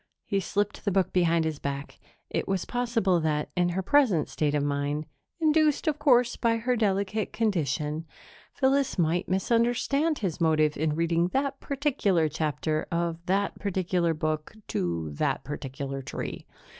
He slipped the book behind his back; it was possible that, in her present state of mind induced, of course, by her delicate condition Phyllis might misunderstand his motive in reading that particular chapter of that particular book to that particular tree.